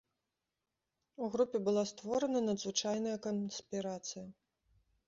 У групе была створана надзвычайная канспірацыя.